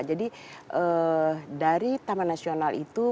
jadi dari taman nasional itu